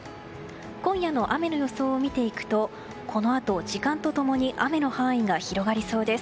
今夜の雨の予想を見ていくとこのあと、時間と共に雨の範囲が広がりそうです。